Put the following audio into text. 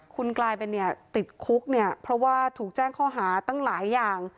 คุณกลายเป็นเนี่ยติดคุกเนี่ยเพราะว่าถูกแจ้งข้อหาตั้งหลายอย่าง